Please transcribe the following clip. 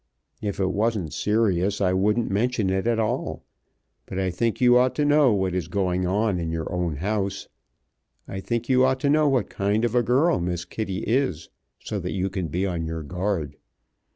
If it wasn't serious I wouldn't mention it at all, but I think you ought to know what is going on in your own house. I think you ought to know what kind of a girl Miss Kitty is, so that you can be on your guard.